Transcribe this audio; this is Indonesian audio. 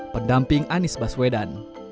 pendamping anies baswedan